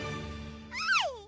はい！